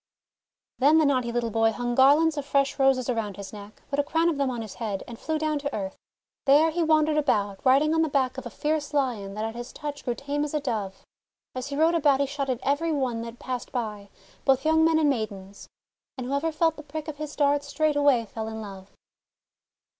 Then the naughty little boy hung garlands of fresh Roses around his neck, put a crown of them on his head, and flew down to earth. There he wandered about, riding on the back of a fierce Lion, that at his touch grew as tame as a Dove. CUPID AMONG THE ROSES 61 As he rode about he shot at every one that passed by, both young men and maidens. And whoever felt the prick of his dart straightway fell in love.